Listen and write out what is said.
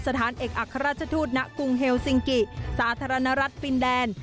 สถานเอกอัครราชทูตณกรุงเฮลซิงกิสาธารณรัฐฟินแดน